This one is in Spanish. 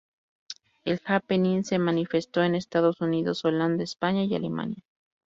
El happening se manifestó en: Estados Unidos, Holanda, España y Alemania.